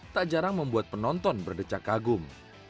tak jarang membuat penonton berdecak kagum